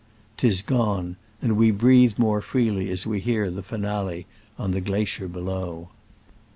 'Tis gone, and we breathe more freely as we hear the finale on the glacier below.